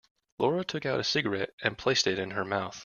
Laura took out a cigarette and placed it in her mouth.